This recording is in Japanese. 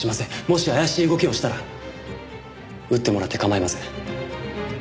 もし怪しい動きをしたら撃ってもらって構いません。